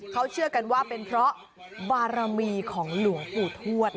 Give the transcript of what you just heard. เขาเชื่อกันว่าเป็นเพราะบารมีของหลวงปู่ทวด